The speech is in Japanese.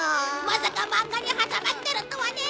まさか漫画に挟まってるとはね。